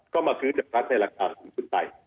เค้ามาคลื้นจากรัฐในราคาสูงสุดใต้